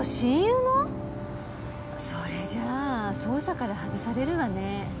それじゃあ捜査から外されるわね。